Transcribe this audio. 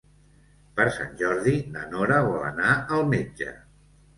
Per Sant Jordi na Nora vol anar al metge.